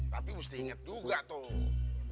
tapi mesti ingat juga tuh